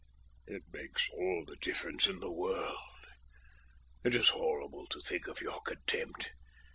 "It makes all the difference in the world. It is horrible to think of your contempt.